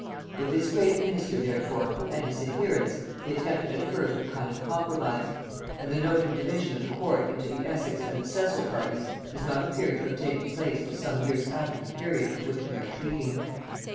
With this great minister therefore and his adherents he attempted at first a kind of compromise, and the noted division of the court into the Essex and the Cecil parties does not appear to have taken place till some years after the period of which we are treating.